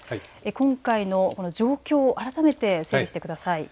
今回のこの状況、改めて整理してください。